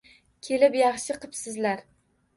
Kelib yaxshi qipsilar...